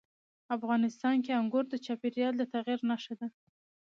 افغانستان کې انګور د چاپېریال د تغیر نښه ده.